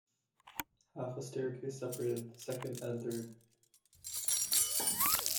Half a staircase separated second and third.